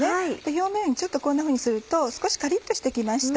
表面こんなふうにすると少しカリっとして来ました。